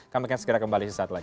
kami akan segera kembali sesaat lagi